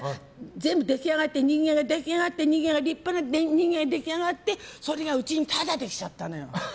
全部人間が出来上がって立派な人間が出来上がってそれがうちにタダで来ちゃったのよ。